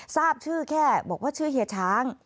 ทราบชื่อแค่บอกว่าชื่อเฮียช้าง